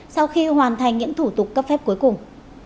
sau khi hoàn thành những thủ tục cấp phép cuối cùng